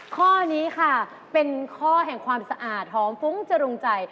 ข้อนี้ค่ะเป็นข้อแห่งความสะอาดหอมฟุ้งจรุงใจ